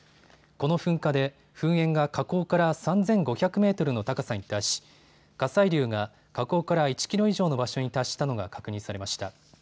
この噴火で噴煙が火口から３５００メートルの高さに達し、火砕流が火口から１キロ以上の場所に達したのが確認されました。